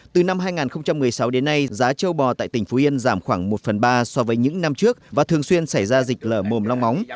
từ năm hai nghìn một mươi sáu đến nay giá châu bò tại tỉnh phú yên giảm khoảng một phần ba so với những năm trước và thường xuyên xảy ra dịch lở mồm long móng